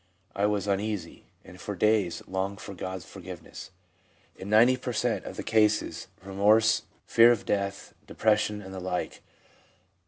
I was uneasy, and for days longed for God's forgiveness.' In 90 per cent, of the cases, remorse, fear of death, depression and the like entered pro 1 Cf.